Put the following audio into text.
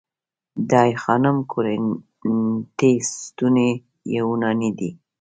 د آی خانم کورینتی ستونې یوناني دي